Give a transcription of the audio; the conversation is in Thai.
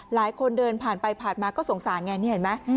หลายคนเดินผ่านไปผ่านมาก็สงสารไงนี่เห็นไหม